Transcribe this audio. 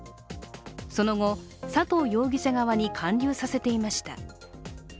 その後、佐藤容疑者側に環流させていました。